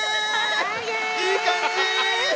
いい感じ！